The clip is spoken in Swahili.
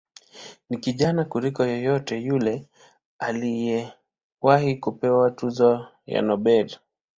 Ni kijana kuliko yeyote yule aliyewahi kupewa tuzo ya Nobel.